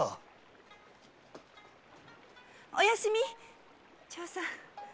おやすみ長さん。